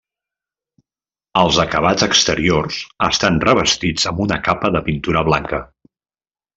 Els acabats exteriors estan revestits amb una capa de pintura blanca.